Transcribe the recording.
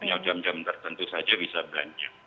hanya jam jam tertentu saja bisa beranjak